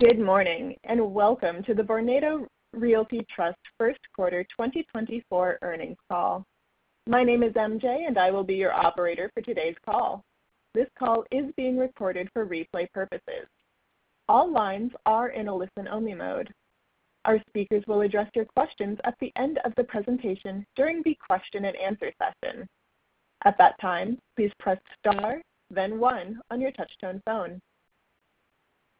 Good morning, and welcome to the Vornado Realty Trust first quarter 2024 earnings call. My name is MJ, and I will be your operator for today's call. This call is being recorded for replay purposes. All lines are in a listen-only mode. Our speakers will address your questions at the end of the presentation during the question-and-answer session. At that time, please press star, then one on your touchtone phone.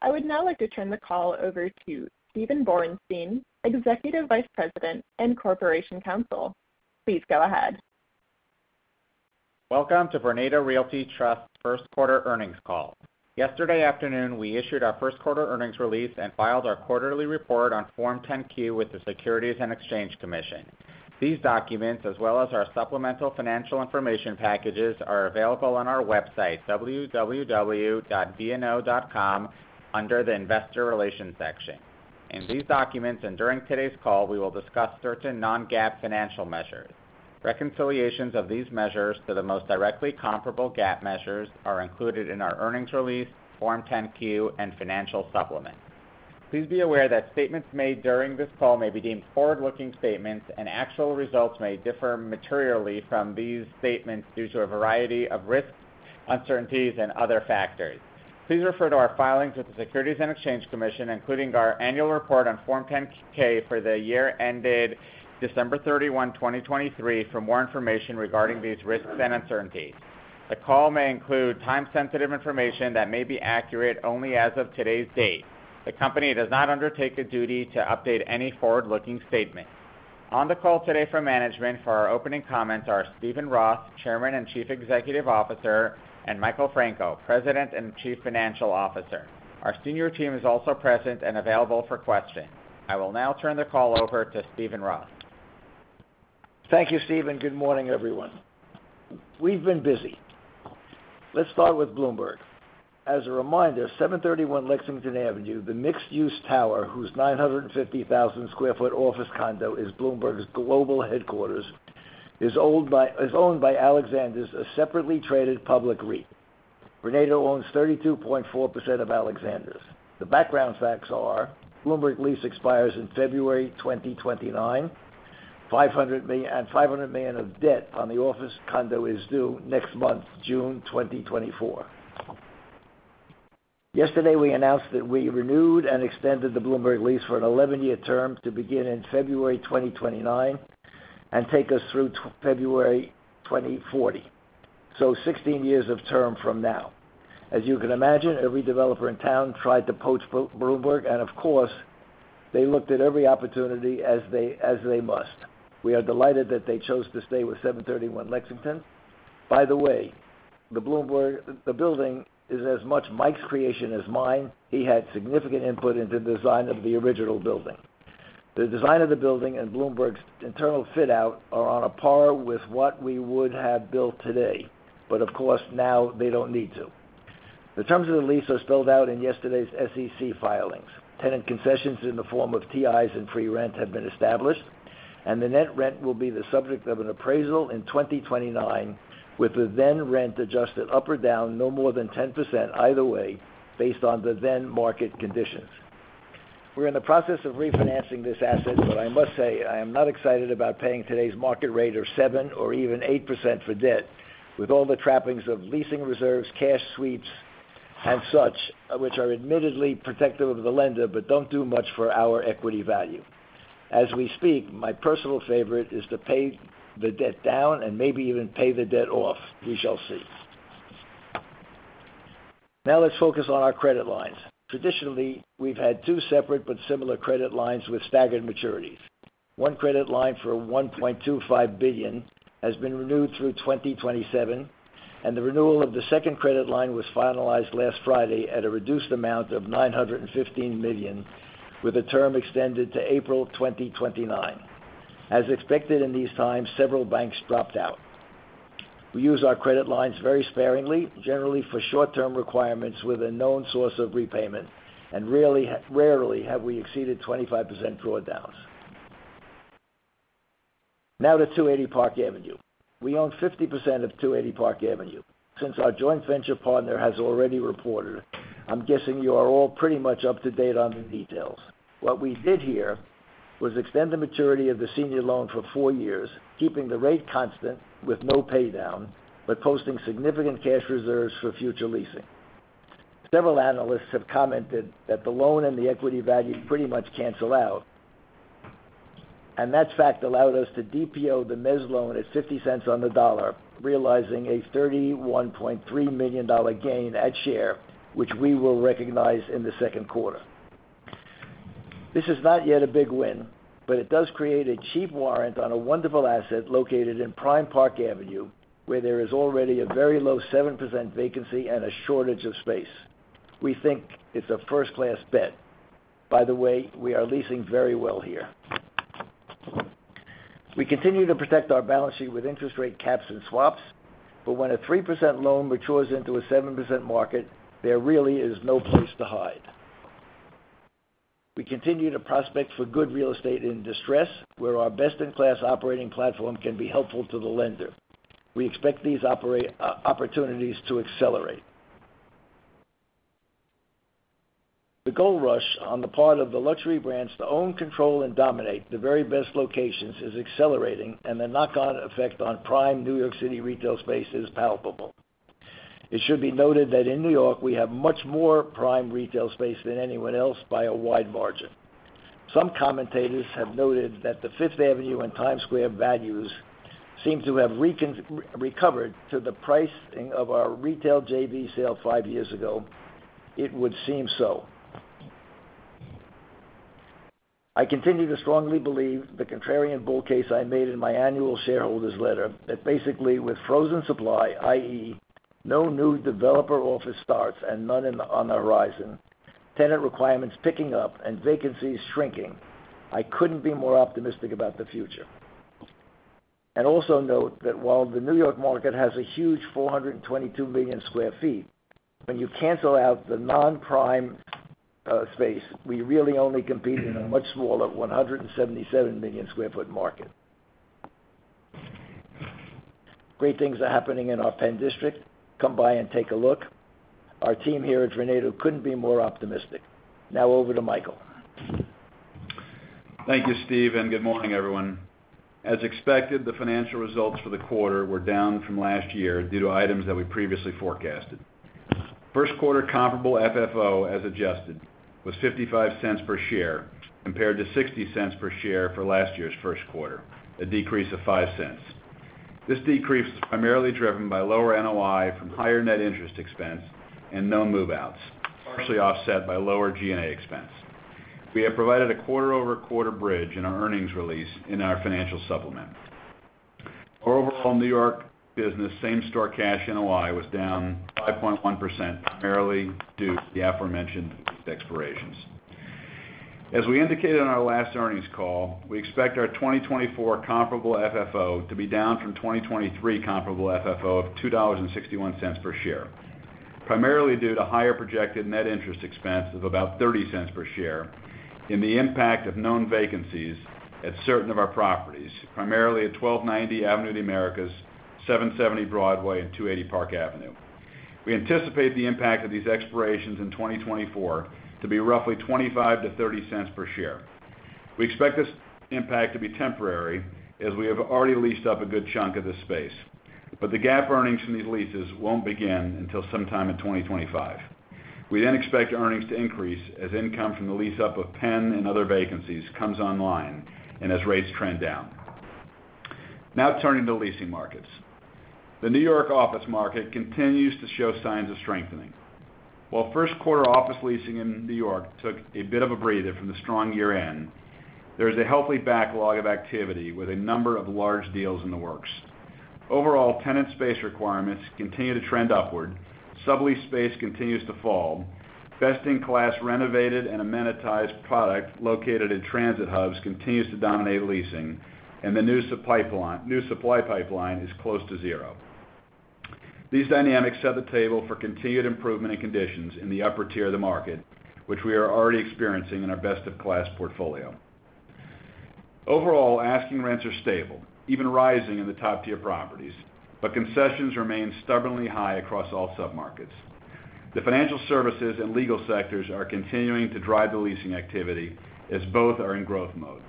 I would now like to turn the call over to Steven Borenstein, Executive Vice President and Corporation Counsel. Please go ahead. Welcome to Vornado Realty Trust first quarter earnings call. Yesterday afternoon, we issued our first quarter earnings release and filed our quarterly report on Form 10-Q with the Securities and Exchange Commission. These documents, as well as our supplemental financial information packages, are available on our website, www.vno.com, under the Investor Relations section. In these documents and during today's call, we will discuss certain non-GAAP financial measures. Reconciliations of these measures to the most directly comparable GAAP measures are included in our earnings release, Form 10-Q, and financial supplement. Please be aware that statements made during this call may be deemed forward-looking statements, and actual results may differ materially from these statements due to a variety of risks, uncertainties, and other factors. Please refer to our filings with the Securities and Exchange Commission, including our annual report on Form 10-K for the year ended December 31, 2023, for more information regarding these risks and uncertainties. The call may include time-sensitive information that may be accurate only as of today's date. The company does not undertake a duty to update any forward-looking statement. On the call today from management for our opening comments are Steven Roth, Chairman and Chief Executive Officer, and Michael Franco, President and Chief Financial Officer. Our senior team is also present and available for questions. I will now turn the call over to Steven Roth. Thank you, Steven. Good morning, everyone. We've been busy. Let's start with Bloomberg. As a reminder, 731 Lexington Avenue, the mixed-use tower, whose 950,000 sq ft office condo is Bloomberg's global headquarters, is owned by Alexander's, a separately traded public REIT. Vornado owns 32.4% of Alexander's. The background facts are: Bloomberg lease expires in February 2029, $500 million of debt on the office condo is due next month, June 2024. Yesterday, we announced that we renewed and extended the Bloomberg lease for an 11-year term to begin in February 2029 and take us through February 2040, so 16 years of term from now. As you can imagine, every developer in town tried to poach Bloomberg, and of course, they looked at every opportunity as they must. We are delighted that they chose to stay with 731 Lexington. By the way, the Bloomberg... The building is as much Mike's creation as mine. He had significant input into the design of the original building. The design of the building and Bloomberg's internal fit-out are on a par with what we would have built today, but of course, now they don't need to. The terms of the lease are spelled out in yesterday's SEC filings. Tenant concessions in the form of TIs and free rent have been established, and the net rent will be the subject of an appraisal in 2029, with the then rent adjusted up or down no more than 10% either way, based on the then market conditions. We're in the process of refinancing this asset, but I must say I am not excited about paying today's market rate of 7% or even 8% for debt, with all the trappings of leasing reserves, cash sweeps, and such, which are admittedly protective of the lender but don't do much for our equity value. As we speak, my personal favorite is to pay the debt down and maybe even pay the debt off. We shall see. Now let's focus on our credit lines. Traditionally, we've had two separate but similar credit lines with staggered maturities. One credit line for $1.25 billion has been renewed through 2027, and the renewal of the second credit line was finalized last Friday at a reduced amount of $915 million, with the term extended to April 2029. As expected in these times, several banks dropped out. We use our credit lines very sparingly, generally for short-term requirements with a known source of repayment, and rarely, rarely have we exceeded 25% drawdowns. Now to 280 Park Avenue. We own 50% of 280 Park Avenue. Since our joint venture partner has already reported, I'm guessing you are all pretty much up to date on the details. What we did here was extend the maturity of the senior loan for four years, keeping the rate constant with no paydown, but posting significant cash reserves for future leasing. Several analysts have commented that the loan and the equity value pretty much cancel out, and that fact allowed us to DPO the mezz loan at $0.50 on the dollar, realizing a $31.3 million gain at share, which we will recognize in the second quarter. This is not yet a big win, but it does create a cheap warrant on a wonderful asset located in prime Park Avenue, where there is already a very low 7% vacancy and a shortage of space. We think it's a first-class bet. By the way, we are leasing very well here. We continue to protect our balance sheet with interest rate caps and swaps, but when a 3% loan matures into a 7% market, there really is no place to hide. We continue to prospect for good real estate in distress, where our best-in-class operating platform can be helpful to the lender. We expect these opportunities to accelerate. The gold rush on the part of the luxury brands to own, control, and dominate the very best locations is accelerating, and the knock-on effect on prime New York City retail space is palpable. It should be noted that in New York, we have much more prime retail space than anyone else by a wide margin. Some commentators have noted that the Fifth Avenue and Times Square values seem to have recovered to the pricing of our retail JV sale five years ago. It would seem so. I continue to strongly believe the contrarian bull case I made in my annual shareholders' letter, that basically with frozen supply, i.e., no new developer office starts and none on the horizon, tenant requirements picking up and vacancies shrinking, I couldn't be more optimistic about the future. Also note that while the New York market has a huge 422 million sq ft, when you cancel out the non-prime space, we really only compete in a much smaller 177 million sq ft market. Great things are happening in our PENN District. Come by and take a look. Our team here at Vornado couldn't be more optimistic. Now, over to Michael. Thank you, Steve, and good morning, everyone. As expected, the financial results for the quarter were down from last year due to items that we previously forecasted. First quarter comparable FFO, as adjusted, was $0.55 per share, compared to $0.60 per share for last year's first quarter, a decrease of $0.05. This decrease was primarily driven by lower NOI from higher net interest expense and no move-outs, partially offset by lower G&A expense. We have provided a quarter-over-quarter bridge in our earnings release in our financial supplement. Our overall New York business, same store cash NOI, was down 5.1%, primarily due to the aforementioned expirations. As we indicated on our last earnings call, we expect our 2024 comparable FFO to be down from 2023 comparable FFO of $2.61 per share, primarily due to higher projected net interest expense of about $0.30 per share and the impact of known vacancies at certain of our properties, primarily at 1290 Avenue of the Americas, 770 Broadway, and 280 Park Avenue. We anticipate the impact of these expirations in 2024 to be roughly $0.25-$0.30 per share. We expect this impact to be temporary, as we have already leased up a good chunk of this space, but the GAAP earnings from these leases won't begin until sometime in 2025. We then expect earnings to increase as income from the lease up of PENN and other vacancies comes online and as rates trend down. Now turning to leasing markets. The New York office market continues to show signs of strengthening. While first quarter office leasing in New York took a bit of a breather from the strong year-end, there is a healthy backlog of activity with a number of large deals in the works. Overall, tenant space requirements continue to trend upward, sublease space continues to fall, best-in-class renovated and amenitized product located in transit hubs continues to dominate leasing, and the new supply pipeline, new supply pipeline is close to zero. These dynamics set the table for continued improvement in conditions in the upper tier of the market, which we are already experiencing in our best-in-class portfolio. Overall, asking rents are stable, even rising in the top-tier properties, but concessions remain stubbornly high across all submarkets. The financial services and legal sectors are continuing to drive the leasing activity, as both are in growth mode.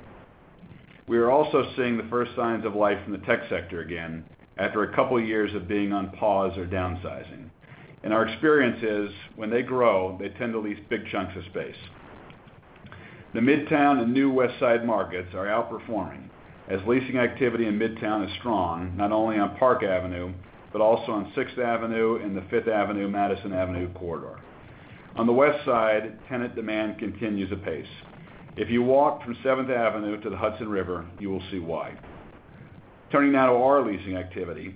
We are also seeing the first signs of life in the tech sector again, after a couple of years of being on pause or downsizing. Our experience is, when they grow, they tend to lease big chunks of space. The Midtown and New West Side markets are outperforming, as leasing activity in Midtown is strong, not only on Park Avenue, but also on Sixth Avenue and the Fifth Avenue, Madison Avenue corridor. On the West Side, tenant demand continues apace. If you walk from Seventh Avenue to the Hudson River, you will see why. Turning now to our leasing activity.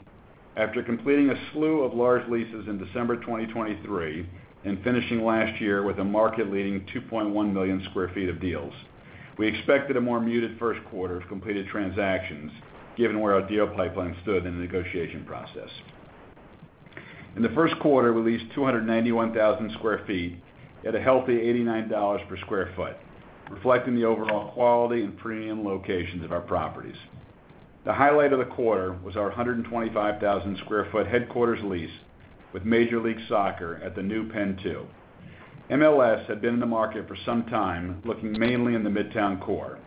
After completing a slew of large leases in December 2023 and finishing last year with a market-leading 2.1 million sq ft of deals, we expected a more muted first quarter of completed transactions, given where our deal pipeline stood in the negotiation process. In the first quarter, we leased 291,000 sq ft at a healthy $89 per sq ft, reflecting the overall quality and premium locations of our properties. The highlight of the quarter was our 125,000 sq ft headquarters lease with Major League Soccer at the new PENN 2. MLS had been in the market for some time, looking mainly in the Midtown core,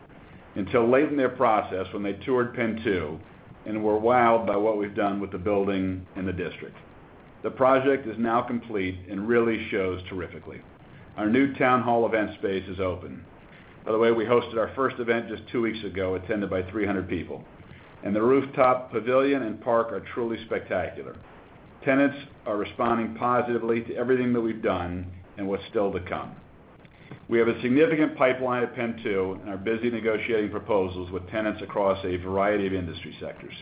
until late in their process, when they toured PENN 2 and were wowed by what we've done with the building and the district. The project is now complete and really shows terrifically. Our new town hall event space is open. By the way, we hosted our first event just two weeks ago, attended by 300 people, and the rooftop pavilion and park are truly spectacular. Tenants are responding positively to everything that we've done and what's still to come. We have a significant pipeline at PENN 2 and are busy negotiating proposals with tenants across a variety of industry sectors.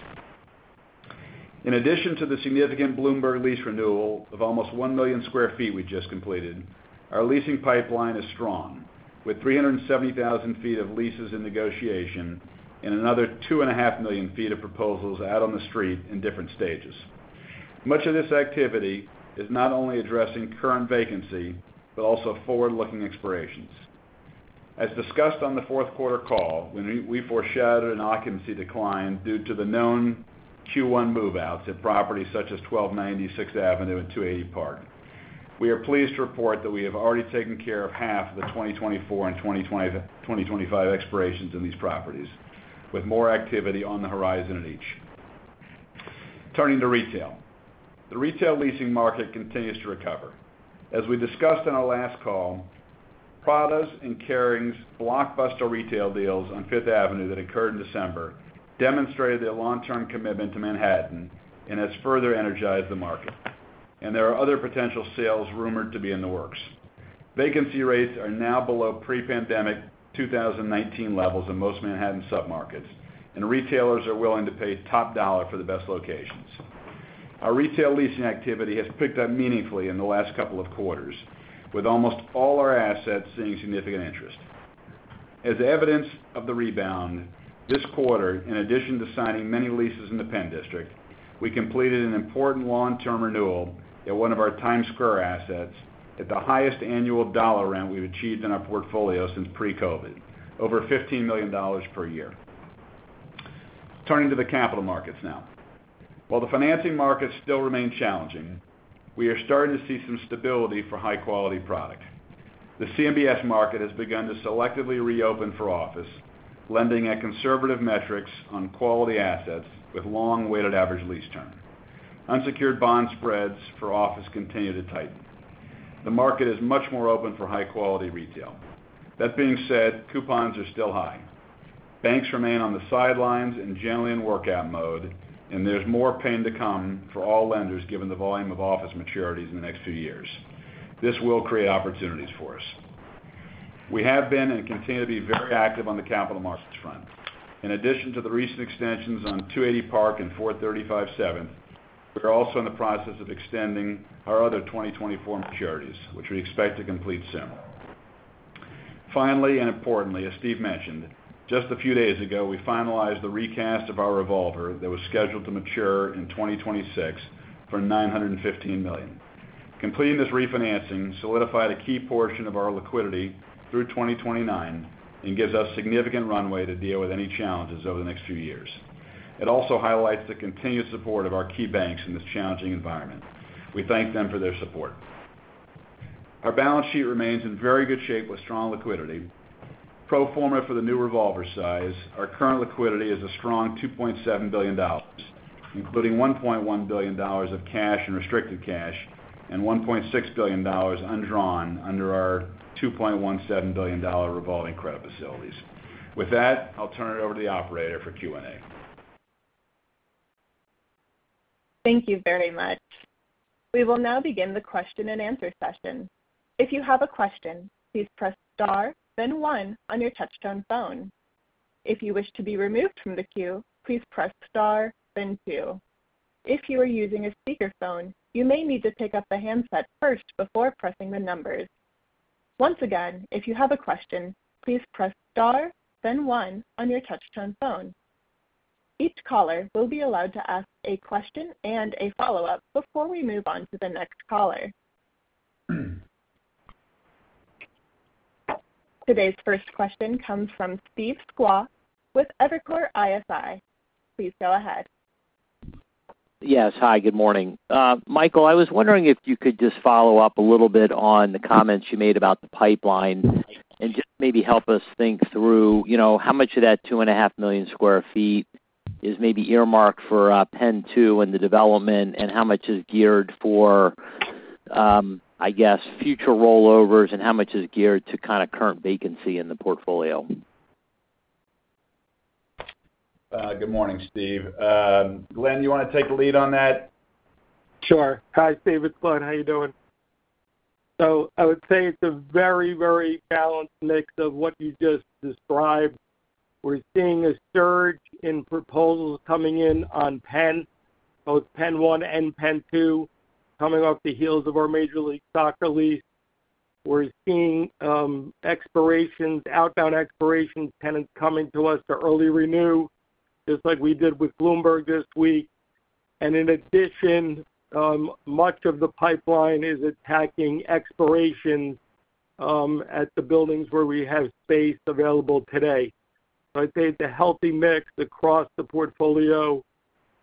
In addition to the significant Bloomberg lease renewal of almost 1 million sq ft we just completed, our leasing pipeline is strong, with 370,000 sq ft of leases in negotiation and another 2.5 million sq ft of proposals out on the street in different stages. Much of this activity is not only addressing current vacancy, but also forward-looking expirations. As discussed on the fourth quarter call, when we foreshadowed an occupancy decline due to the known Q1 move-outs at properties such as 1290 Sixth Avenue and 280 Park. We are pleased to report that we have already taken care of half of the 2024 and 2025 expirations in these properties, with more activity on the horizon at each. Turning to retail. The retail leasing market continues to recover. As we discussed on our last call, Prada's and Kering's blockbuster retail deals on Fifth Avenue that occurred in December, demonstrated their long-term commitment to Manhattan and has further energized the market, and there are other potential sales rumored to be in the works. Vacancy rates are now below pre-pandemic 2019 levels in most Manhattan submarkets, and retailers are willing to pay top dollar for the best locations. Our retail leasing activity has picked up meaningfully in the last couple of quarters, with almost all our assets seeing significant interest. As evidence of the rebound, this quarter, in addition to signing many leases in the PENN District, we completed an important long-term renewal at one of our Times Square assets at the highest annual dollar rent we've achieved in our portfolio since pre-COVID, over $15 million per year. Turning to the capital markets now. While the financing markets still remain challenging, we are starting to see some stability for high-quality product. The CMBS market has begun to selectively reopen for office, lending at conservative metrics on quality assets with long weighted average lease term. Unsecured bond spreads for office continue to tighten. The market is much more open for high-quality retail. That being said, coupons are still high. Banks remain on the sidelines and generally in workout mode, and there's more pain to come for all lenders, given the volume of office maturities in the next few years. This will create opportunities for us. We have been and continue to be very active on the capital markets front. In addition to the recent extensions on 280 Park Avenue and 435 Seventh Avenue, we are also in the process of extending our other 2024 maturities, which we expect to complete soon. Finally, and importantly, as Steve mentioned, just a few days ago, we finalized the recast of our revolver that was scheduled to mature in 2026 for $915 million. Completing this refinancing solidified a key portion of our liquidity through 2029 and gives us significant runway to deal with any challenges over the next few years. It also highlights the continued support of our key banks in this challenging environment. We thank them for their support. Our balance sheet remains in very good shape with strong liquidity. Pro forma for the new revolver size, our current liquidity is a strong $2.7 billion, including $1.1 billion of cash and restricted cash, and $1.6 billion undrawn under our $2.17 billion revolving credit facilities. With that, I'll turn it over to the operator for Q&A. Thank you very much. We will now begin the question-and-answer session. If you have a question, please press star, then one on your touchtone phone. If you wish to be removed from the queue, please press star, then two. If you are using a speakerphone, you may need to pick up the handset first before pressing the numbers. Once again, if you have a question, please press star, then one on your touchtone phone. Each caller will be allowed to ask a question and a follow-up before we move on to the next caller. Today's first question comes from Steve Sakwa with Evercore ISI. Please go ahead. Yes. Hi, good morning. Michael, I was wondering if you could just follow up a little bit on the comments you made about the pipeline and just maybe help us think through, you know, how much of that 2.5 million sq ft is maybe earmarked for, PENN 2 and the development, and how much is geared for, I guess, future rollovers and how much is geared to kind of current vacancy in the portfolio? Good morning, Steve. Glen, you want to take the lead on that? Sure. Hi, Steve. It's Glen. How are you doing? So I would say it's a very, very balanced mix of what you just described. We're seeing a surge in proposals coming in on PENN, both PENN 1 and PENN 2, coming off the heels of our Major League Soccer lease. We're seeing expirations, outbound expirations, tenants coming to us to early renew, just like we did with Bloomberg this week. And in addition, much of the pipeline is attacking expirations at the buildings where we have space available today. So I'd say it's a healthy mix across the portfolio,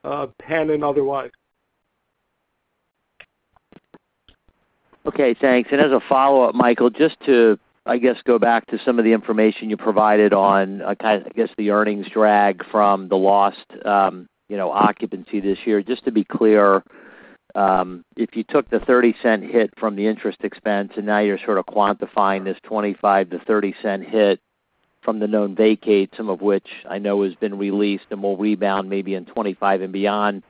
PENN and otherwise. Okay, thanks. And as a follow-up, Michael, just to, I guess, go back to some of the information you provided on, kind of, I guess, the earnings drag from the lost, you know, occupancy this year. Just to be clear, if you took the $0.30 hit from the interest expense, and now you're sort of quantifying this $0.25-$0.30 hit from the known vacates, some of which I know has been released and will rebound maybe in 2025 and beyond,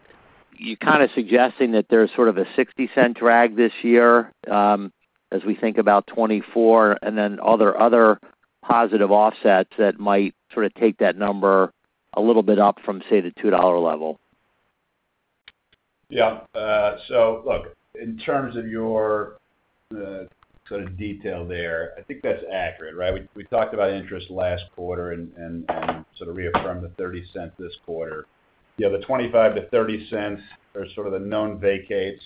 you're kind of suggesting that there's sort of a $0.60 drag this year, as we think about 2024, and then are there other positive offsets that might sort of take that number a little bit up from, say, the $2 level? Yeah. So look, in terms of your sort of detail there, I think that's accurate, right? We talked about interest last quarter and sort of reaffirmed the $0.30 this quarter. Yeah, the $0.25-$0.30 are sort of the known vacates....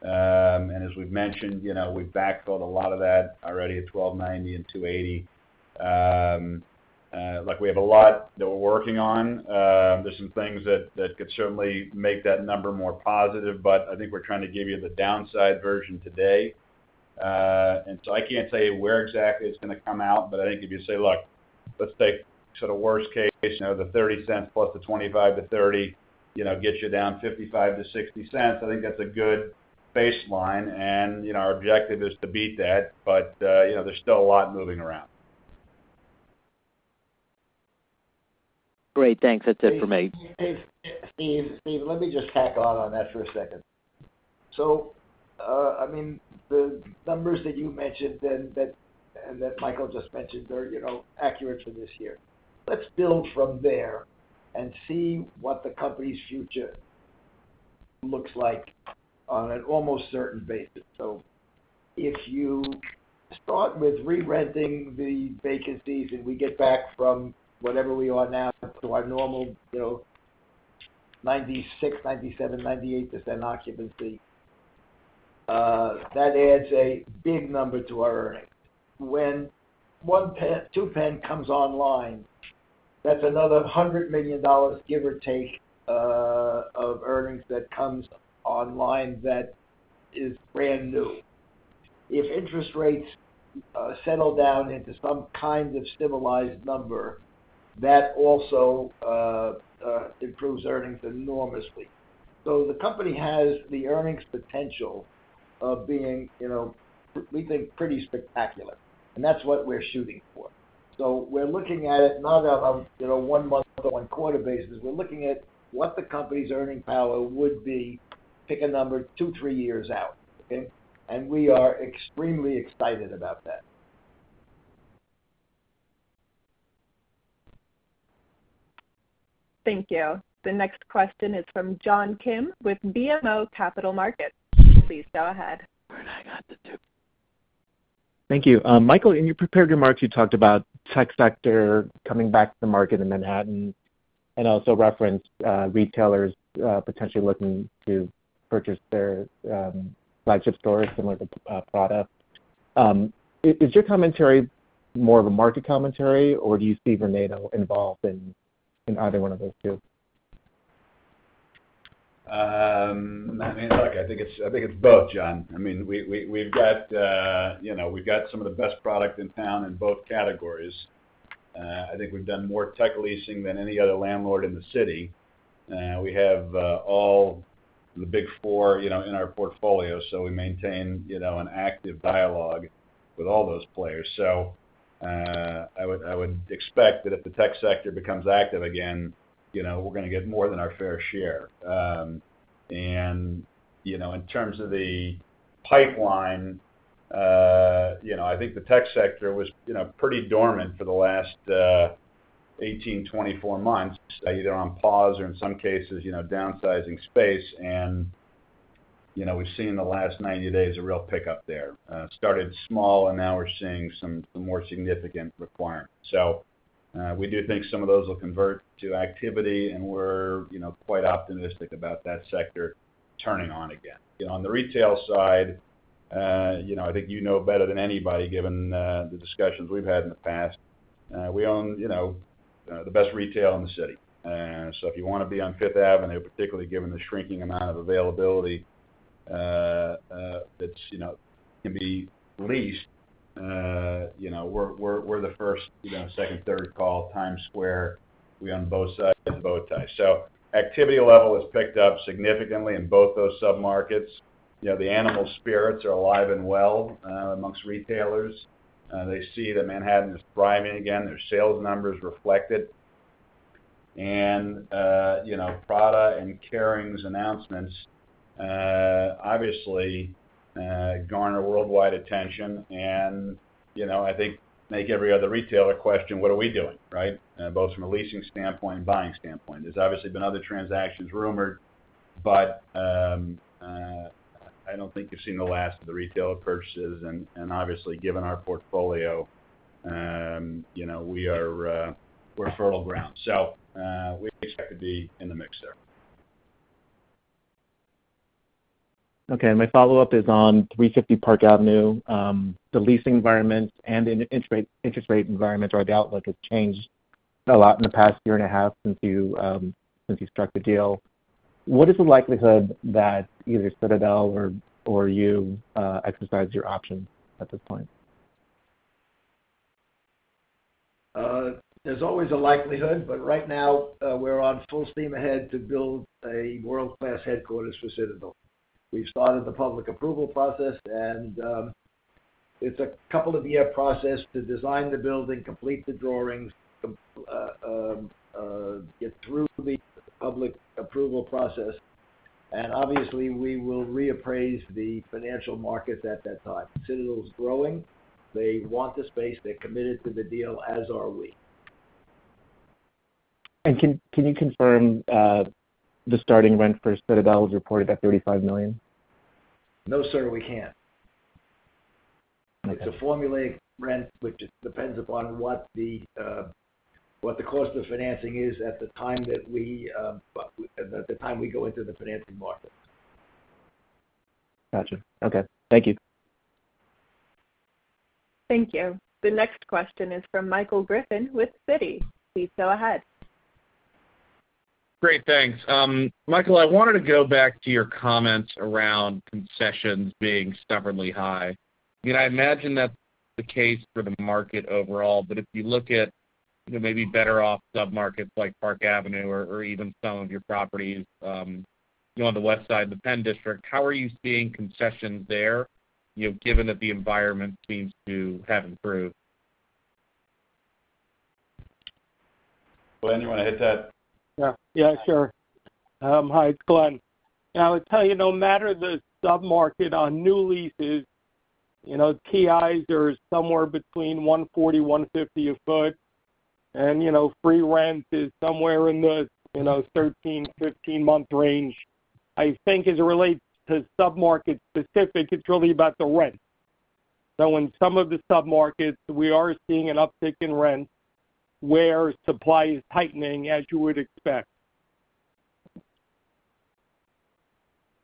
and as we've mentioned, you know, we've backfilled a lot of that already at 1290 and 280. Like, we have a lot that we're working on. There's some things that could certainly make that number more positive, but I think we're trying to give you the downside version today. And so I can't tell you where exactly it's gonna come out, but I think if you say, look, let's take sort of worst case, you know, the $0.30 plus the $0.25-$0.30, you know, gets you down $0.55-$0.60. I think that's a good baseline. And, you know, our objective is to beat that, but, you know, there's still a lot moving around. Great, thanks. That's it for me. Hey, Steve, Steve, let me just tack on, on that for a second. So, I mean, the numbers that you mentioned and that, and that Michael just mentioned are, you know, accurate for this year. Let's build from there and see what the company's future looks like on an almost certain basis. So if you start with re-renting the vacancies, and we get back from whatever we are now to our normal, you know, 96%-98% occupancy, that adds a big number to our earnings. When 1 PENN-2 PENN comes online, that's another $100 million, give or take, of earnings that comes online that is brand new. If interest rates settle down into some kind of civilized number, that also improves earnings enormously. So the company has the earnings potential of being, you know, we think, pretty spectacular, and that's what we're shooting for. So we're looking at it not on, you know, one month or one quarter basis, we're looking at what the company's earning power would be, pick a number, two, three years out, okay? And we are extremely excited about that. Thank you. The next question is from John Kim with BMO Capital Markets. Please go ahead. Thank you. Michael, in your prepared remarks, you talked about tech sector coming back to the market in Manhattan and also referenced retailers potentially looking to purchase their flagship stores, similar to Prada. Is your commentary more of a market commentary, or do you see Vornado involved in either one of those two? I mean, look, I think it's both, John. I mean, we've got, you know, we've got some of the best product in town in both categories. I think we've done more tech leasing than any other landlord in the city. We have all the Big Four, you know, in our portfolio, so we maintain, you know, an active dialogue with all those players. So, I would expect that if the tech sector becomes active again, you know, we're gonna get more than our fair share. And, you know, in terms of the pipeline, you know, I think the tech sector was, you know, pretty dormant for the last 18-24 months, either on pause or in some cases, you know, downsizing space. You know, we've seen in the last 90 days, a real pickup there. Started small, and now we're seeing some more significant requirements. So, we do think some of those will convert to activity, and we're, you know, quite optimistic about that sector turning on again. You know, on the retail side, you know, I think you know better than anybody, given the discussions we've had in the past, we own, you know, the best retail in the city. So if you want to be on Fifth Avenue, particularly given the shrinking amount of availability, that's, you know, can be leased, you know, we're the first, you know, second, third call, Times Square, we own both sides of the bow tie. So activity level has picked up significantly in both those submarkets. You know, the animal spirits are alive and well, amongst retailers. They see that Manhattan is thriving again. Their sales numbers reflect it. You know, Prada and Kering's announcements, obviously, garner worldwide attention and, you know, I think make every other retailer question: What are we doing, right? Both from a leasing standpoint and buying standpoint. There's obviously been other transactions rumored, but, I don't think you've seen the last of the retailer purchases and, and obviously, given our portfolio, you know, we are, we're fertile ground, so, we expect to be in the mix there. Okay. My follow-up is on 350 Park Avenue. The leasing environment and interest rate environment or the outlook has changed a lot in the past year and a half since you since you struck the deal. What is the likelihood that either Citadel or, or you, exercise your options at this point? There's always a likelihood, but right now, we're on full steam ahead to build a world-class headquarters for Citadel. We've started the public approval process, and it's a couple of year process to design the building, complete the drawings, get through the public approval process, and obviously, we will reappraise the financial markets at that time. Citadel's growing. They want the space. They're committed to the deal, as are we. Can you confirm the starting rent for Citadel is reported at $35 million? No, sir, we can't.... It's a formulaic rent, which depends upon what the cost of financing is at the time that we go into the financing market. Got you. Okay. Thank you. Thank you. The next question is from Michael Griffin with Citi. Please go ahead. Great. Thanks. Michael, I wanted to go back to your comments around concessions being stubbornly high. You know, I imagine that's the case for the market overall, but if you look at, you know, maybe better off submarkets like Park Avenue or even some of your properties, you know, on the west side of the PENN District, how are you seeing concessions there, you know, given that the environment seems to have improved? Glen, you want to hit that? Yeah. Yeah, sure. Hi, it's Glen. I would tell you, no matter the submarket on new leases, you know, TIs are somewhere between $140-$150 a foot, and, you know, free rent is somewhere in the, you know, 13-15-month range. I think as it relates to submarket specific, it's really about the rent. So in some of the submarkets, we are seeing an uptick in rent where supply is tightening, as you would expect.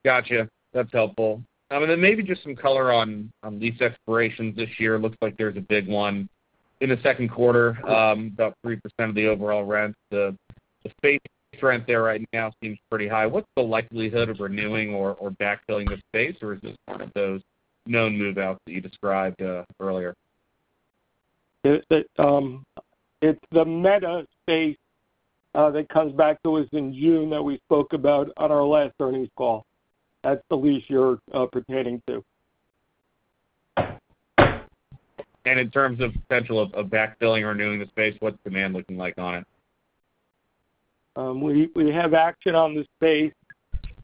Got you. That's helpful. And then maybe just some color on lease expirations this year. It looks like there's a big one. In the second quarter, about 3% of the overall rent, the space rent there right now seems pretty high. What's the likelihood of renewing or backfilling the space, or is this one of those known move-outs that you described earlier? It's the Meta space that comes back to us in June that we spoke about on our last earnings call. That's the lease you're pertaining to. In terms of potential of backfilling or renewing the space, what's demand looking like on it? We have action on the space.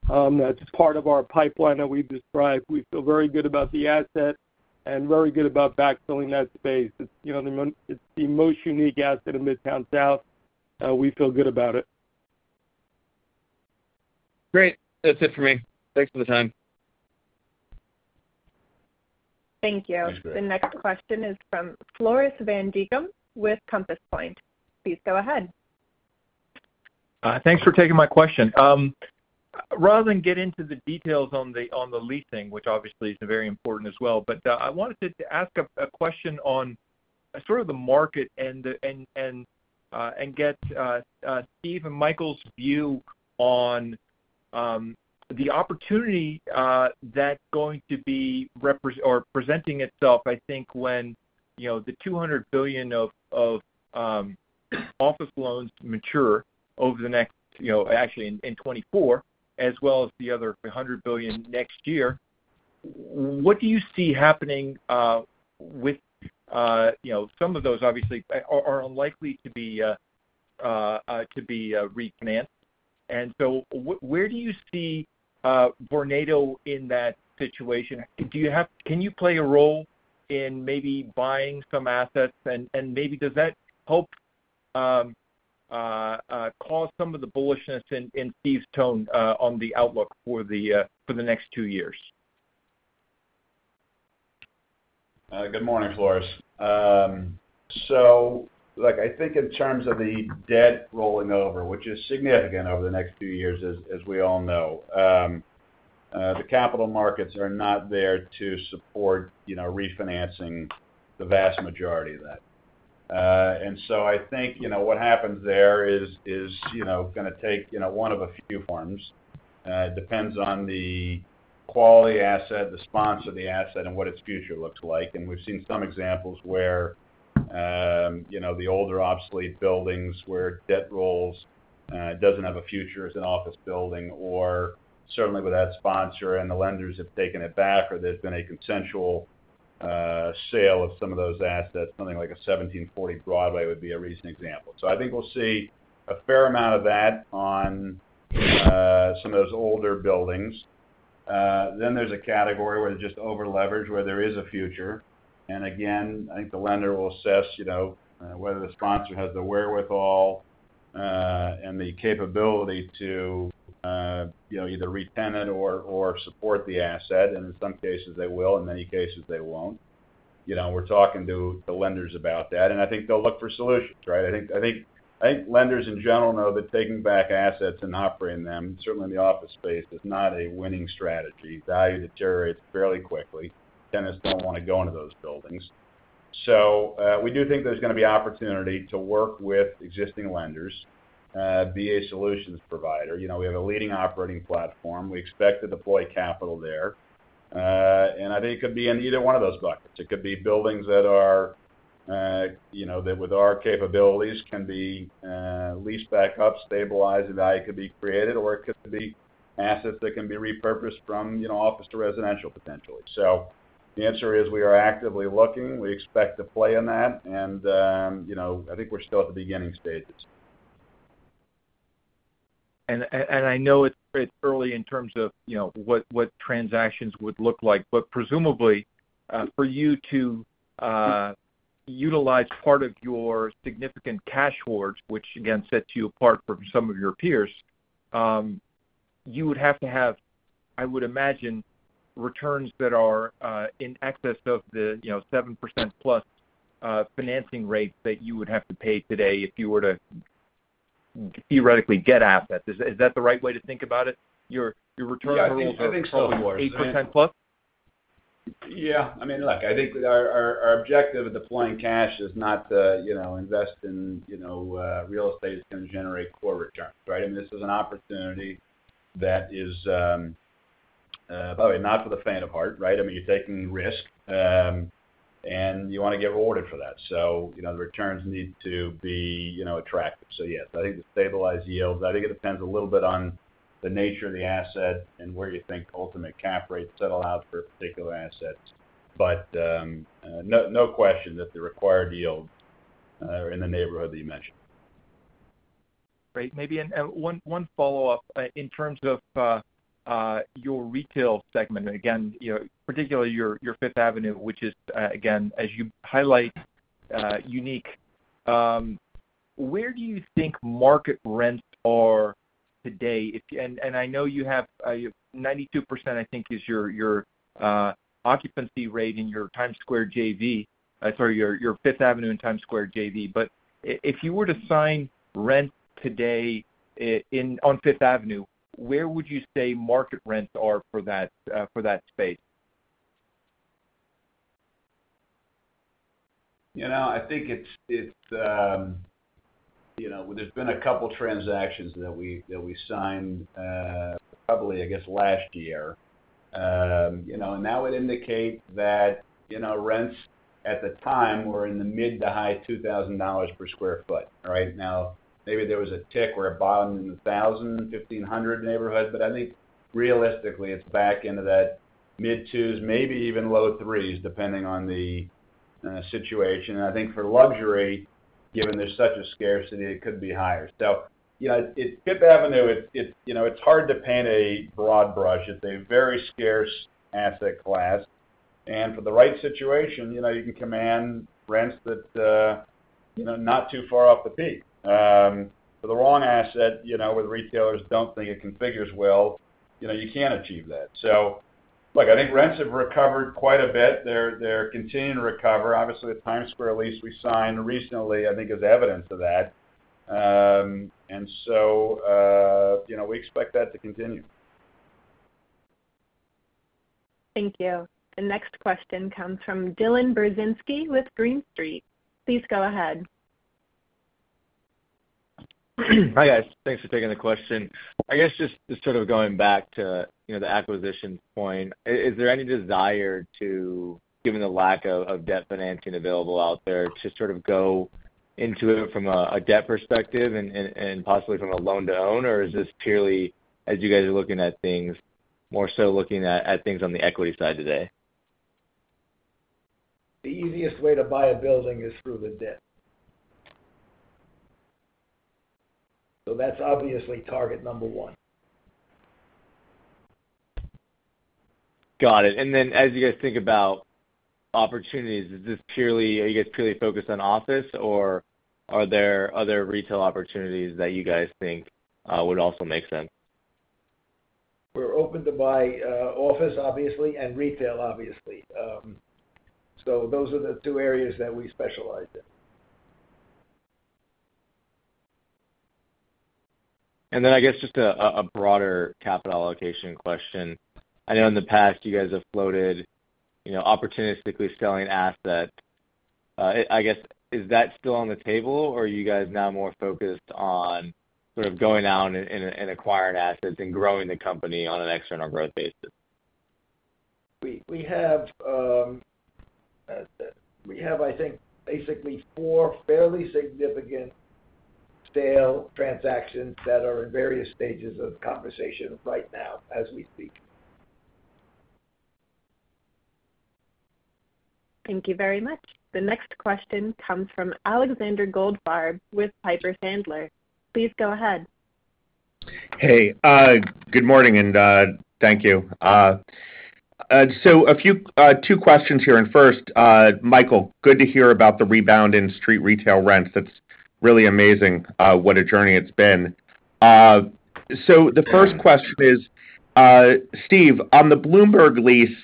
That's just part of our pipeline that we've described. We feel very good about the asset and very good about backfilling that space. It's, you know, it's the most unique asset in Midtown South. We feel good about it. Great. That's it for me. Thanks for the time. Thank you. Thanks. The next question is from Floris van Dijkum with Compass Point. Please go ahead. Thanks for taking my question. Rather than get into the details on the leasing, which obviously is very important as well, but I wanted to ask a question on sort of the market and get Steve and Michael's view on the opportunity that's going to be presenting itself, I think when, you know, the $200 billion of office loans mature over the next, you know, actually in 2024, as well as the other $100 billion next year. What do you see happening with, you know, some of those obviously are unlikely to be refinanced. And so where do you see Vornado in that situation? Can you play a role in maybe buying some assets? And maybe does that help cause some of the bullishness in Steve's tone on the outlook for the next two years? Good morning, Floris. So look, I think in terms of the debt rolling over, which is significant over the next few years, as we all know, the capital markets are not there to support, you know, refinancing the vast majority of that. And so I think, you know, what happens there is, you know, gonna take, you know, one of a few forms. It depends on the quality asset, the sponsor of the asset, and what its future looks like. And we've seen some examples where, you know, the older obsolete buildings where debt rolls, doesn't have a future as an office building, or certainly with that sponsor, and the lenders have taken it back, or there's been a consensual, sale of some of those assets. Something like a 1740 Broadway would be a recent example. So I think we'll see a fair amount of that on, some of those older buildings. Then there's a category where it's just over-leveraged, where there is a future. And again, I think the lender will assess, you know, whether the sponsor has the wherewithal, and the capability to, you know, either re-tenant or, or support the asset. And in some cases, they will, in many cases, they won't. You know, we're talking to the lenders about that, and I think they'll look for solutions, right? I think, I think, I think lenders in general know that taking back assets and operating them, certainly in the office space, is not a winning strategy. Value deteriorates fairly quickly. Tenants don't want to go into those buildings. So, we do think there's gonna be opportunity to work with existing lenders, be a solutions provider. You know, we have a leading operating platform. We expect to deploy capital there. And I think it could be in either one of those buckets. It could be buildings that are, you know, that with our capabilities, can be leased back up, stabilized, and value could be created, or it could be assets that can be repurposed from, you know, office to residential, potentially. So the answer is, we are actively looking. We expect to play in that, and, you know, I think we're still at the beginning stages. And I know it's early in terms of, you know, what transactions would look like, but presumably for you to utilize part of your significant cash hoards, which again, sets you apart from some of your peers, you would have to have, I would imagine, returns that are in excess of the, you know, 7%+ financing rate that you would have to pay today if you were to theoretically get assets. Is that the right way to think about it? Your return hurdles are probably worse, 8%+? Yeah, I mean, look, I think that our objective of deploying cash is not to, you know, invest in, you know, real estate is going to generate core returns, right? I mean, this is an opportunity that is, by the way, not for the faint of heart, right? I mean, you're taking risk, and you want to get rewarded for that. So, you know, the returns need to be, you know, attractive. So yes, I think the stabilized yields, I think it depends a little bit on the nature of the asset and where you think ultimate cap rates settle out for particular assets. But, no question that the required yield in the neighborhood that you mentioned. Great. Maybe one follow-up. In terms of your retail segment, again, you know, particularly your Fifth Avenue, which is, again, as you highlight, unique, where do you think market rents are today? And I know you have 92%, I think, is your occupancy rate in your Times Square JV, sorry, your Fifth Avenue and Times Square JV. But if you were to sign rent today in, on Fifth Avenue, where would you say market rents are for that, for that space? You know, I think it's, you know, there's been a couple transactions that we signed, probably, I guess, last year. You know, that would indicate that, you know, rents at the time were in the mid- to high $2,000 per sq ft, right? Now, maybe there was a tick or a bottom in the $1,000, $1,500 neighborhood, but I think realistically, it's back into that mid-2s, maybe even low 3s, depending on the situation. I think for luxury, given there's such a scarcity, it could be higher. You know, it, Fifth Avenue, you know, it's hard to paint a broad brush. It's a very scarce asset class, and for the right situation, you know, you can command rents that, you know, not too far off the peak. For the wrong asset, you know, where the retailers don't think it configures well, you know, you can't achieve that. So look, I think rents have recovered quite a bit. They're continuing to recover. Obviously, the Times Square lease we signed recently, I think is evidence of that. And so, you know, we expect that to continue. Thank you. The next question comes from Dylan Burzinski with Green Street. Please go ahead. Hi, guys. Thanks for taking the question. I guess just sort of going back to, you know, the acquisition point, is there any desire to... given the lack of debt financing available out there, to sort of go into it from a debt perspective and possibly from a loan-to-own? Or is this purely, as you guys are looking at things, more so looking at things on the equity side today? The easiest way to buy a building is through the debt. So that's obviously target number one. Got it. And then, as you guys think about opportunities, is this purely, are you guys purely focused on office, or are there other retail opportunities that you guys think would also make sense? We're open to buy office, obviously, and retail, obviously. So those are the two areas that we specialize in. And then I guess just a broader capital allocation question. I know in the past, you guys have floated, you know, opportunistically selling assets. I guess, is that still on the table, or are you guys now more focused on sort of going out and acquiring assets and growing the company on an external growth basis? We have, I think, basically four fairly significant sale transactions that are in various stages of conversation right now as we speak. Thank you very much. The next question comes from Alexander Goldfarb with Piper Sandler. Please go ahead. Hey, good morning, and thank you. So a few, two questions here. And first, Michael, good to hear about the rebound in street retail rents. It's really amazing, what a journey it's been. So the first question is, Steve, on the Bloomberg lease,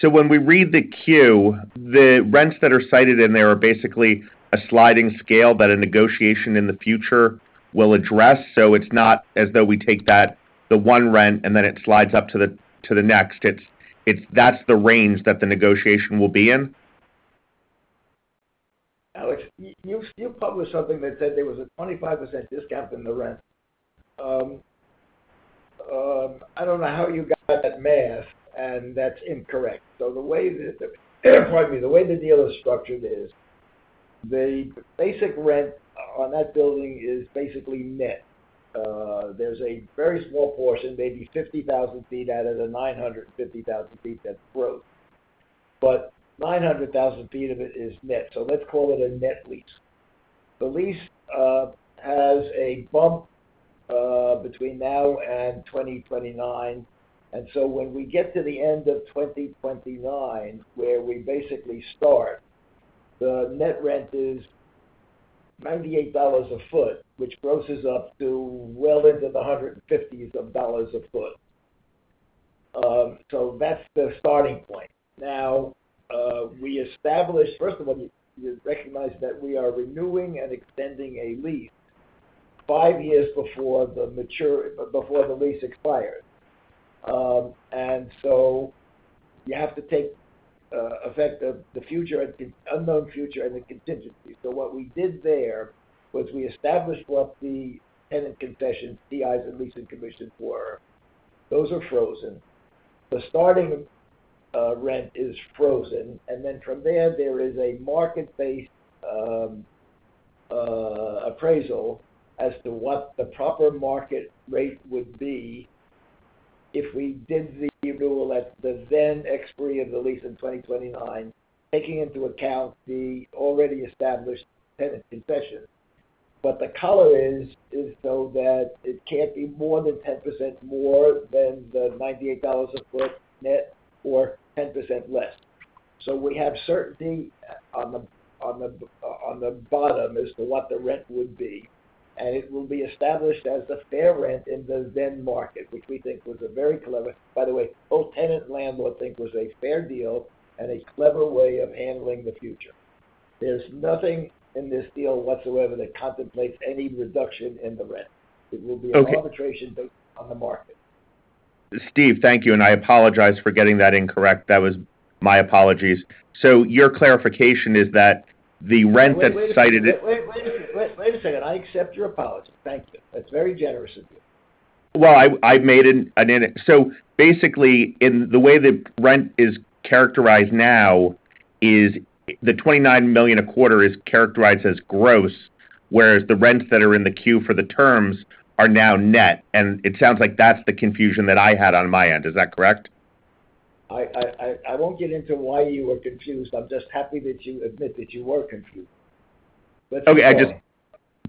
so when we read the 10-Q, the rents that are cited in there are basically a sliding scale that a negotiation in the future will address. So it's not as though we take that, the one rent, and then it slides up to the, to the next. It's, it's... That's the range that the negotiation will be in? Alex, you published something that said there was a 25% discount in the rent. I don't know how you got that math, and that's incorrect. So the way the, pardon me, the way the deal is structured is, the basic rent on that building is basically net. There's a very small portion, maybe 50,000 sq ft out of the 950,000 sq ft, that's gross, but 900,000 sq ft of it is net. So let's call it a net lease. The lease has a bump between now and 2029, and so when we get to the end of 2029, where we basically start, the net rent is $98 a sq ft, which grosses up to well into the 150s of dollars a sq ft. So that's the starting point. Now, we established, first of all, you recognize that we are renewing and extending a lease five years before the maturity, before the lease expires. And so you have to take effect of the future and the unknown future and the contingencies. So what we did there, was we established what the tenant concessions, TI's, and leasing commissions were. Those are frozen. The starting rent is frozen, and then from there, there is a market-based appraisal as to what the proper market rate would be if we did the renewal at the then expiry of the lease in 2029, taking into account the already established tenant concession. But the color is though, that it can't be more than 10% more than the $98 a foot net or 10% less. So we have certainty on the bottom as to what the rent would be, and it will be established as the fair rent in the then market, which we think was a very clever... By the way, both tenant and landlord think it was a fair deal and a clever way of handling the future. There's nothing in this deal whatsoever that contemplates any reduction in the rent. Okay. It will be an arbitration based on the market. Steve, thank you, and I apologize for getting that incorrect. That was my apologies. So your clarification is that the rent that's cited- Wait, wait, wait, wait a second. Wait, wait a second. I accept your apology. Thank you. That's very generous of you. Well, so basically, in the way the rent is characterized now, is the $29 million a quarter characterized as gross, whereas the rents that are in the queue for the terms are now net, and it sounds like that's the confusion that I had on my end. Is that correct? I won't get into why you were confused. I'm just happy that you admit that you were confused.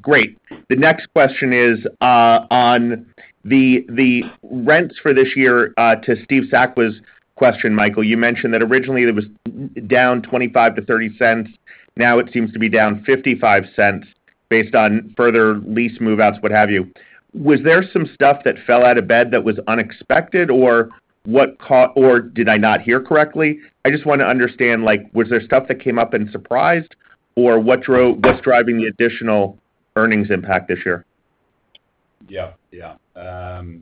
Great. The next question is on the rents for this year to Steve Sakwa's question, Michael. You mentioned that originally it was down $0.25-$0.30. Now it seems to be down $0.55 based on further lease move-outs, what have you. Was there some stuff that fell out of bed that was unexpected, or did I not hear correctly? I just want to understand, like, was there stuff that came up and surprised, or what's driving the additional earnings impact this year? Yeah, yeah.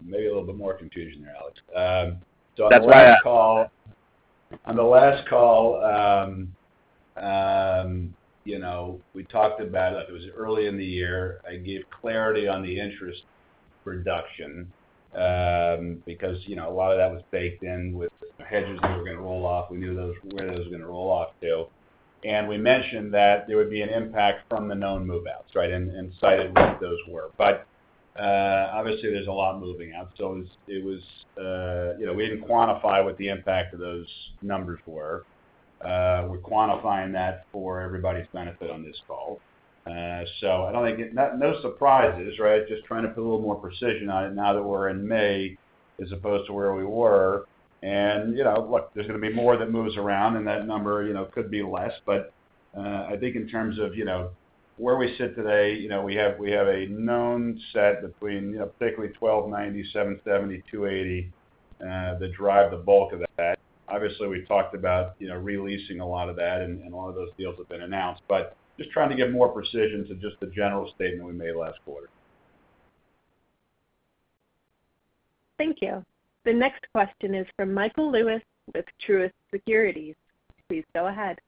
Maybe a little bit more confusion there, Alex. So- That's why I- On the last call, on the last call, you know, we talked about it. It was early in the year. I gave clarity on the interest reduction, because, you know, a lot of that was baked in with the hedges that were gonna roll off. We knew those, where those were gonna roll off to. And we mentioned that there would be an impact from the known move-outs, right? And cited what those were. But, obviously, there's a lot moving out. So it was, you know, we didn't quantify what the impact of those numbers were. We're quantifying that for everybody's benefit on this call. So I don't think... no surprises, right? Just trying to put a little more precision on it now that we're in May, as opposed to where we were. And, you know, look, there's gonna be more that moves around, and that number, you know, could be less. But, I think in terms of, you know, where we sit today, you know, we have a known set between, you know, particularly 1290, 770, 280, that drive the bulk of that. Obviously, we talked about, you know, re-leasing a lot of that, and a lot of those deals have been announced, but just trying to get more precision to just the general statement we made last quarter. Thank you. The next question is from Michael Lewis with Truist Securities. Please go ahead.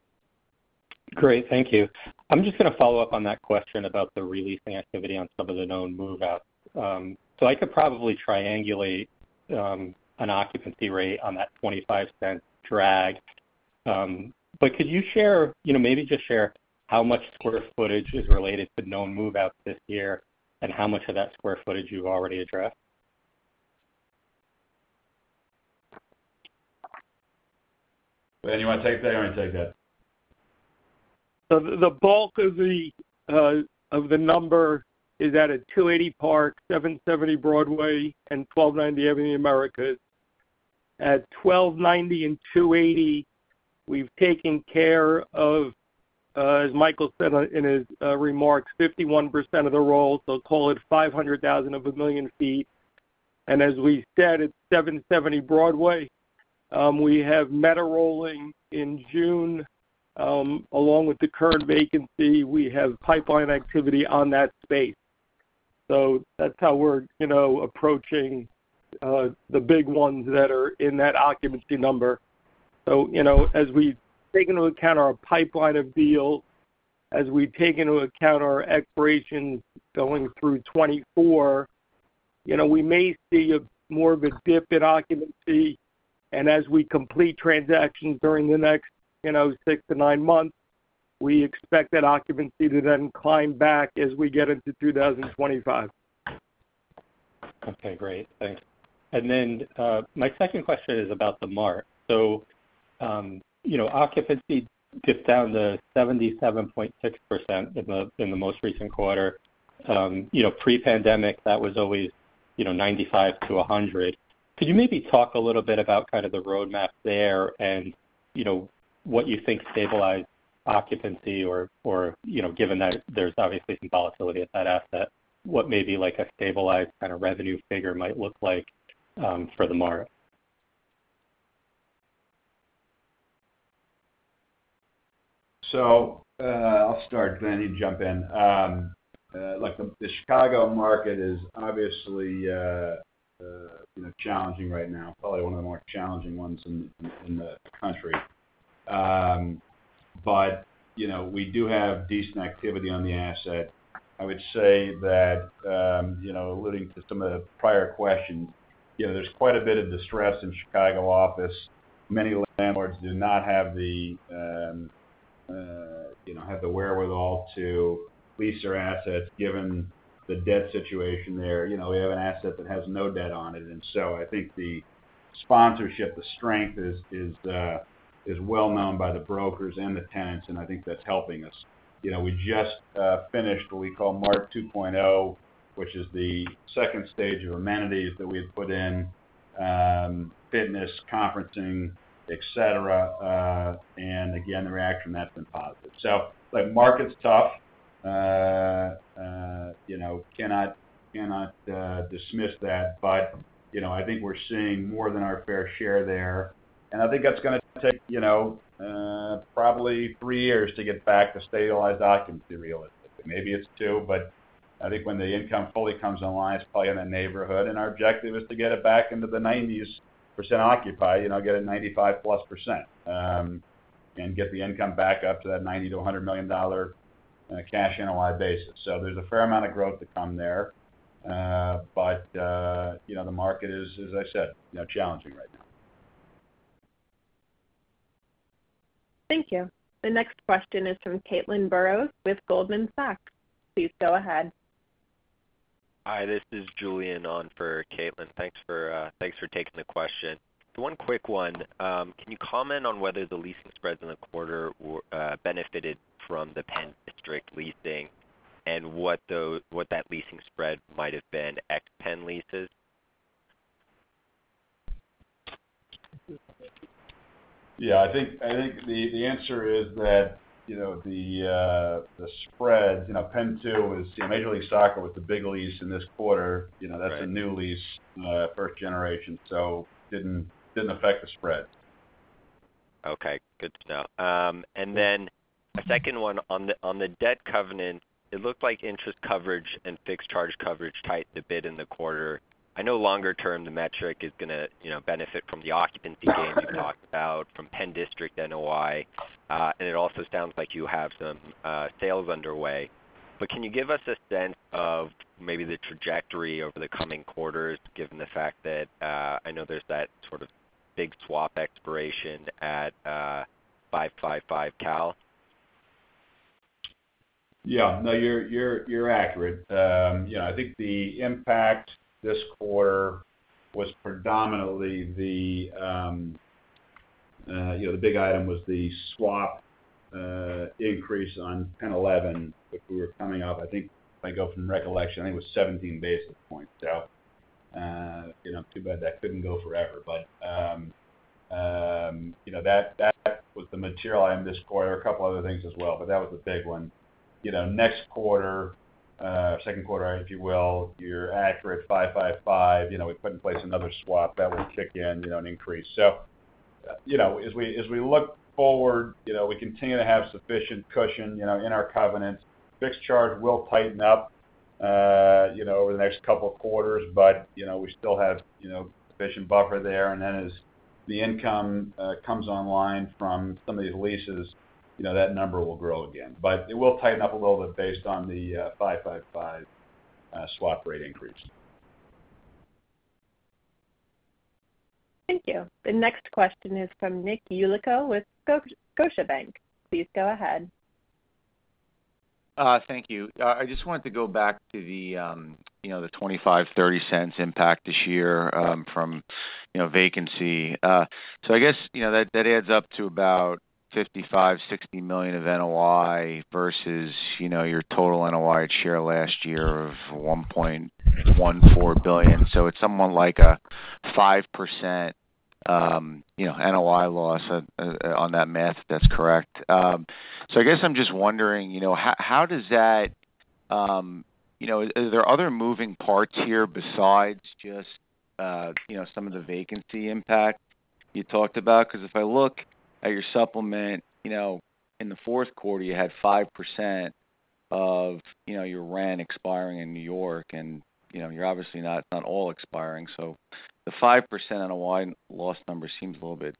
Great, thank you. I'm just gonna follow up on that question about the re-leasing activity on some of the known move-outs. So I could probably triangulate an occupancy rate on that $0.25 drag. But could you share, you know, maybe just share how much square footage is related to known move-outs this year, and how much of that square footage you've already addressed? Glen, you want to take that, or you want me to take that? So the bulk of the number is at 280 Park Avenue, 770 Broadway, and 1290 Avenue of the Americas. At 1290 Avenue of the Americas and 280 Park Avenue, we've taken care of, as Michael said in his remarks, 51% of the sq ft, so call it 500,000 of 1 million sq ft. And as we said, at 770 Broadway, we have Meta rolling in June. Along with the current vacancy, we have pipeline activity on that space. So that's how we're, you know, approaching the big ones that are in that occupancy number. So, you know, as we take into account our pipeline of deals, as we take into account our expirations going through 2024, you know, we may see more of a dip in occupancy. As we complete transactions during the next, you know, six to nine months, we expect that occupancy to then climb back as we get into 2025.... Okay, great. Thanks. And then, my second question is about THE MART. So, you know, occupancy dipped down to 77.6% in the, in the most recent quarter. You know, pre-pandemic, that was always, you know, 95%-100%. Could you maybe talk a little bit about kind of the roadmap there and, you know, what you think stabilized occupancy or, or, you know, given that there's obviously some volatility at that asset, what maybe like a stabilized kind of revenue figure might look like, for THE MART? So, I'll start, then you jump in. Like, the Chicago market is obviously, you know, challenging right now, probably one of the more challenging ones in the country. But, you know, we do have decent activity on the asset. I would say that, you know, alluding to some of the prior questions, you know, there's quite a bit of distress in Chicago office. Many landlords do not have the wherewithal to lease their assets, given the debt situation there. You know, we have an asset that has no debt on it, and so I think the sponsorship, the strength is well known by the brokers and the tenants, and I think that's helping us. You know, we just finished what we call Mart 2.0, which is the second stage of amenities that we've put in, fitness, conferencing, et cetera. And again, the reaction to that's been positive. So, like, market's tough, you know, cannot dismiss that. But, you know, I think we're seeing more than our fair share there, and I think that's gonna take, you know, probably three years to get back to stabilized occupancy realistically. Maybe it's two, but I think when the income fully comes online, it's probably in the neighborhood, and our objective is to get it back into the 90s% occupied, you know, get it 95%+, and get the income back up to that $90 million-$100 million cash NOI basis. So there's a fair amount of growth to come there. But, you know, the market is, as I said, you know, challenging right now. Thank you. The next question is from Caitlin Burrows with Goldman Sachs. Please go ahead. Hi, this is Julian on for Caitlin. Thanks for, thanks for taking the question. So one quick one. Can you comment on whether the leasing spreads in the quarter were benefited from the PENN District leasing, and what those—what that leasing spread might have been ex PENN leases? Yeah, I think, I think the answer is that, you know, the spread, you know, PENN 2 is Major League Soccer with the big lease in this quarter. You know, that's a new lease, first generation, so didn't affect the spread. Okay, good to know. And then a second one on the debt covenant, it looked like interest coverage and fixed charge coverage tightened a bit in the quarter. I know longer term, the metric is gonna, you know, benefit from the occupancy gain you talked about from PENN District NOI, and it also sounds like you have some sales underway. But can you give us a sense of maybe the trajectory over the coming quarters, given the fact that I know there's that sort of big swap expiration at 555 Cal? Yeah. No, you're accurate. You know, I think the impact this quarter was predominantly the you know, the big item was the swap increase on PENN 11, which we were coming off, I think, if I go from recollection, I think it was 17 basis points. So, you know, too bad that couldn't go forever, but, you know, that, that was the material item this quarter, a couple other things as well, but that was the big one. You know, next quarter, second quarter, if you will, you're accurate, 555. You know, we put in place another swap that will kick in, you know, an increase. So, you know, as we look forward, you know, we continue to have sufficient cushion, you know, in our covenants. Fixed charge will tighten up, you know, over the next couple of quarters, but, you know, we still have, you know, sufficient buffer there. And then as the income comes online from some of these leases, you know, that number will grow again. But it will tighten up a little bit based on the 5.55 swap rate increase. Thank you. The next question is from Nick Yulico with Scotiabank. Please go ahead. Thank you. I just wanted to go back to the, you know, the $0.25-$0.30 impact this year, from, you know, vacancy. So I guess, you know, that adds up to about $55-$60 million of NOI versus, you know, your total NOI at share last year of $1.14 billion. So it's somewhat like a 5%, you know, NOI loss, on that math, if that's correct. So I guess I'm just wondering, you know, how, how does that... You know, are there other moving parts here besides just, you know, some of the vacancy impact you talked about? Because if I look at your supplement, you know, in the fourth quarter, you had 5% of, you know, your rent expiring in New York, and, you know, you're obviously not all expiring. The 5% NOI loss number seems a little bit,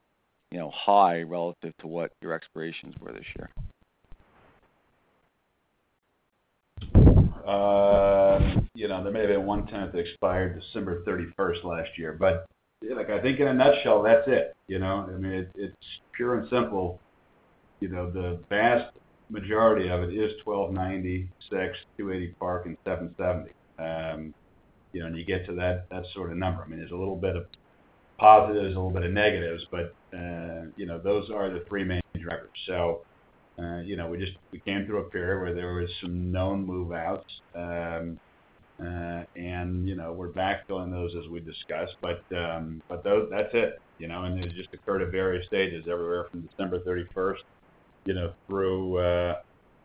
you know, high relative to what your expirations were this year. You know, there may be one tenant that expired December 31st last year, but, like, I think in a nutshell, that's it, you know? I mean, it's pure and simple... You know, the vast majority of it is 1290 Sixth, 280 Park, and 770. You know, and you get to that sort of number. I mean, there's a little bit of positives, a little bit of negatives, but, you know, those are the three main drivers. So, you know, we just came through a period where there was some known move-outs, and, you know, we're backfilling those as we discussed. But that's it, you know, and they just occurred at various stages, everywhere from December 31st, you know, through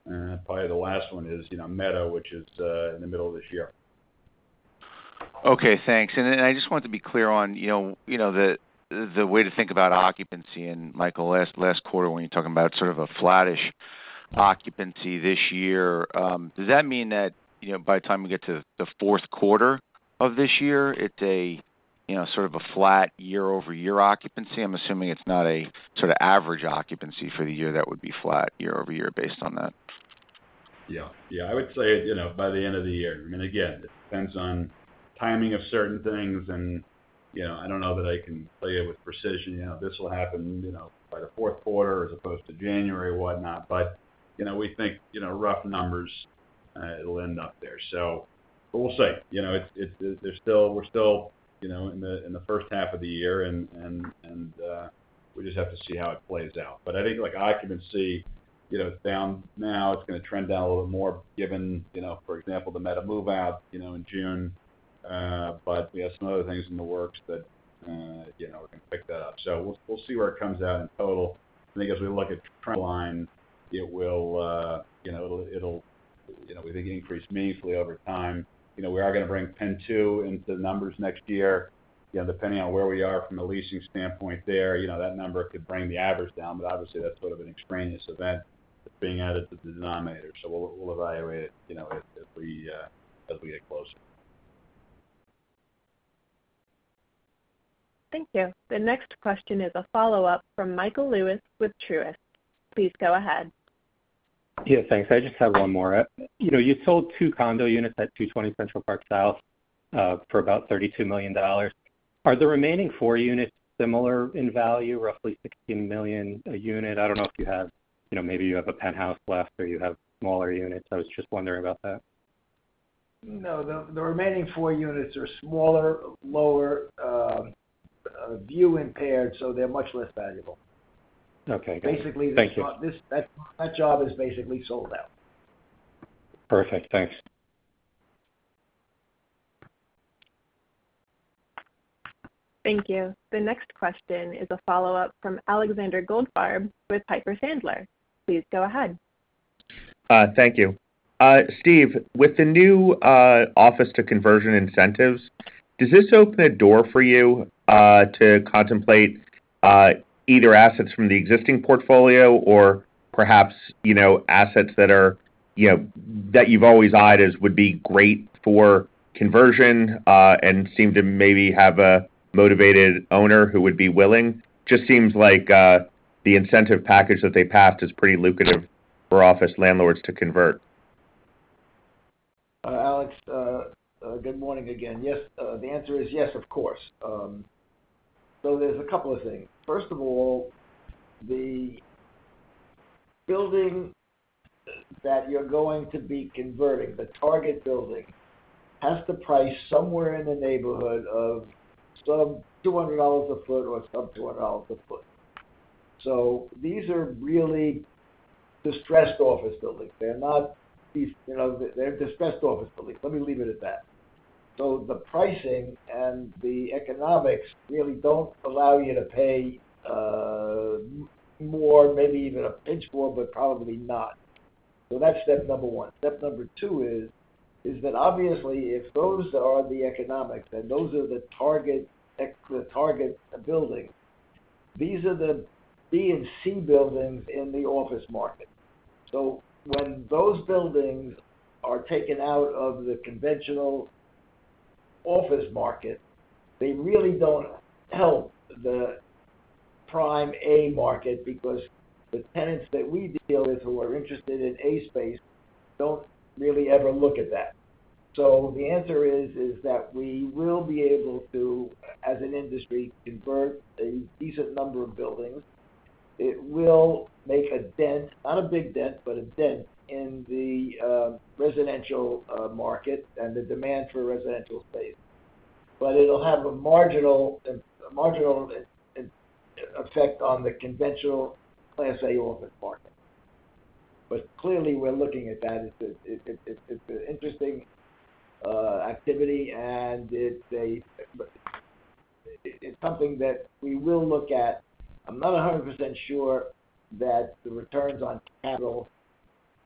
probably the last one is, you know, Meta, which is in the middle of this year. Okay, thanks. Then I just wanted to be clear on, you know, the way to think about occupancy, and Michael, last quarter, when you were talking about sort of a flattish occupancy this year, does that mean that, you know, by the time we get to the fourth quarter of this year, it's a, you know, sort of a flat year-over-year occupancy? I'm assuming it's not a sort of average occupancy for the year that would be flat year-over-year based on that. Yeah. Yeah, I would say, you know, by the end of the year, I mean, again, it depends on timing of certain things, and, you know, I don't know that I can tell you with precision, you know, this will happen, you know, by the fourth quarter as opposed to January or whatnot. But, you know, we think, you know, rough numbers, it'll end up there. So, but we'll see. You know, it's, there's still, we're still, you know, in the first half of the year, and we just have to see how it plays out. But I think, like, occupancy, you know, it's down now. It's gonna trend down a little bit more, given, you know, for example, the Meta move-out, you know, in June. But we have some other things in the works that, you know, we can pick that up. So we'll, we'll see where it comes out in total. I think as we look at the trend line, it will, you know, it'll, it'll, you know, we think increase meaningfully over time. You know, we are gonna bring PENN 2 into the numbers next year. You know, depending on where we are from a leasing standpoint there, you know, that number could bring the average down, but obviously, that's sort of an extraneous event that's being added to the denominator. So we'll, we'll evaluate it, you know, as we, as we get closer. Thank you. The next question is a follow-up from Michael Lewis with Truist. Please go ahead. Yeah, thanks. I just have one more. You know, you sold 2 condo units at 220 Central Park South for about $32 million. Are the remaining four units similar in value, roughly $16 million a unit? I don't know if you have... You know, maybe you have a penthouse left, or you have smaller units. I was just wondering about that. No, the remaining four units are smaller, lower, view-impaired, so they're much less valuable. Okay, got it. Basically- Thank you. That job is basically sold out. Perfect. Thanks. Thank you. The next question is a follow-up from Alexander Goldfarb with Piper Sandler. Please go ahead. Thank you. Steve, with the new office-to-conversion incentives, does this open a door for you to contemplate either assets from the existing portfolio or perhaps, you know, assets that are, you know, that you've always eyed as would be great for conversion and seem to maybe have a motivated owner who would be willing? Just seems like the incentive package that they passed is pretty lucrative for office landlords to convert. Alex, good morning again. Yes, the answer is yes, of course. So there's a couple of things. First of all, the building that you're going to be converting, the target building, has to price somewhere in the neighborhood of some $200 a foot or sub-$200 a foot. So these are really distressed office buildings. They're not these, you know, they're distressed office buildings. Let me leave it at that. So the pricing and the economics really don't allow you to pay more, maybe even a pinch more, but probably not. So that's step number one. Step number two is that obviously, if those are the economics, and those are the target buildings, these are the B and C buildings in the office market. So when those buildings are taken out of the conventional office market, they really don't help the prime A market, because the tenants that we deal with, who are interested in A space, don't really ever look at that. So the answer is that we will be able to, as an industry, convert a decent number of buildings. It will make a dent, not a big dent, but a dent in the residential market and the demand for residential space. But it'll have a marginal effect on the conventional Class A office market. But clearly, we're looking at that. It's an interesting activity, and it's something that we will look at. I'm not 100% sure that the returns on capital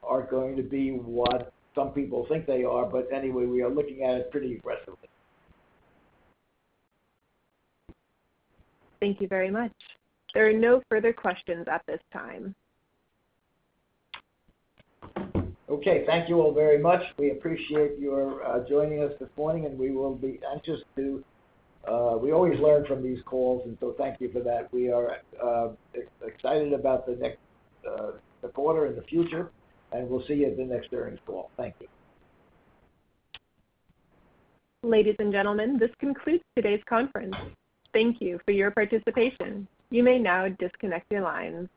are going to be what some people think they are, but anyway, we are looking at it pretty aggressively. Thank you very much. There are no further questions at this time. Okay. Thank you all very much. We appreciate your joining us this morning, and we will be anxious to... We always learn from these calls, and so thank you for that. We are excited about the next quarter and the future, and we'll see you at the next earnings call. Thank you. Ladies and gentlemen, this concludes today's conference. Thank you for your participation. You may now disconnect your lines.